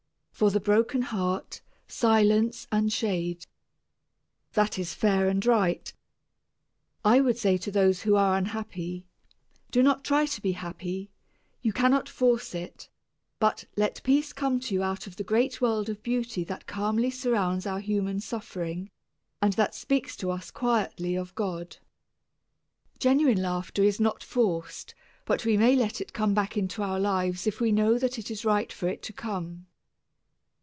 "For the broken heart silence and shade," that is fair and right. I would say to those who are unhappy, "Do not try to be happy, you cannot force it; but let peace come to you out of the great world of beauty that calmly surrounds our human suffering, and that speaks to us quietly of God." Genuine laughter is not forced, but we may let it come back into our lives if we know that it is right for it to come.